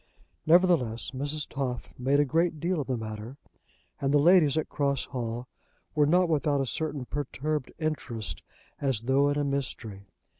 Nevertheless Mrs. Toff made a great deal of the matter, and the ladies at Cross Hall were not without a certain perturbed interest as though in a mystery.